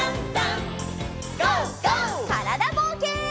からだぼうけん。